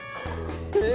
え？